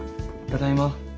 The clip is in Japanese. ただいま。